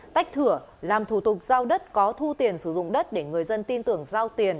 tách thửa làm thủ tục giao đất có thu tiền sử dụng đất để người dân tin tưởng giao tiền